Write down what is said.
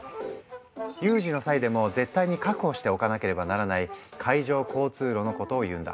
有事の際でも絶対に確保しておかなければならない海上交通路のことをいうんだ。